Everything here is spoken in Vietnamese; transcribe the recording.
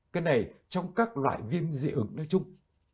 cái này trong các loại viêm dị ứng nói chung